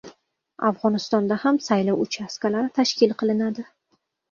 Afg‘onistonda ham saylov uchastkalari tashkil qilinadi